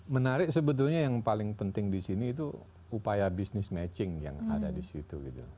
menarik sebetulnya yang paling penting di sini itu upaya business matching yang ada di situ